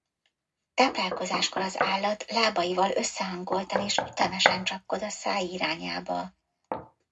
Táplálkozáskor az állat lábaival összehangoltan és ütemesen csapkod a száj irányába.